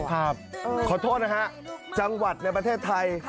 ขอโทษนะฮะจังหวัดในประเทศไทย